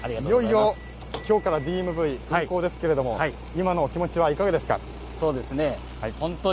いよいよきょうからＤＭＶ運行ですけれども、今のお気持ちはいかがですか。